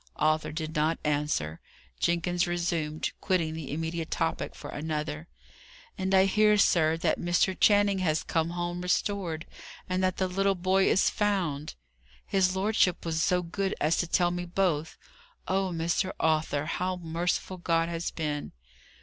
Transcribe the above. Arthur did not answer. Jenkins resumed, quitting the immediate topic for another. "And I hear, sir, that Mr. Channing has come home restored, and that the little boy is found. His lordship was so good as to tell me both. Oh, Mr. Arthur, how merciful God has been!"